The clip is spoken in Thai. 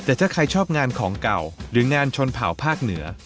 แต่ถ้าใครชอบงานของเก่าหรืองานชนเผ่าภาคเหนือ